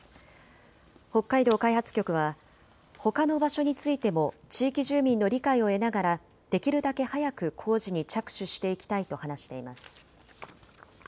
北海道開発局はほかの場所についても地域住民の理解を得ながらできるだけ早く工事に着手していきたいと話しています。